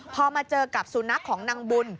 พอมาเจอกับสุนัขของนางบุญ